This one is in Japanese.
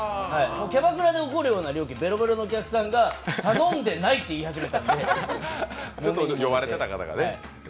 キャバクラで起こるような料金、ベロベロのお客さんが「頼んでない」って言い始めたので。